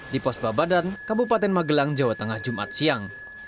di pos babadan kabupaten magelang jawa tengah jumat siang